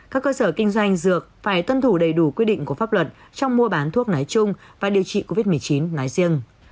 các cơ sở kinh doanh dược phải tuân thủ đầy đủ quy định của pháp luật trong mua bán thuốc nói chung và điều trị covid một mươi chín nói riêng